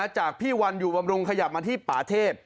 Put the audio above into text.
จากพี่วันอยู่บำรุงขยับมาที่ป่าเทพ